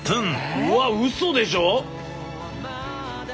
うわうそでしょ！？